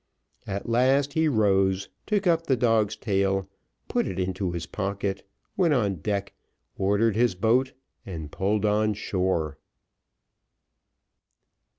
At last he rose, took up the dog's tail, put it into his pocket, went on deck, ordered his boat, and pulled on shore.